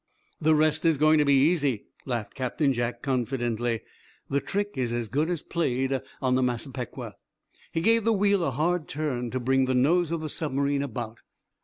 "The rest is going to be easy," laughed Captain Jack, confidently. "The trick is as good as played on the 'Massapequa.'" He gave the wheel a hard turn to bring the nose of the submarine about.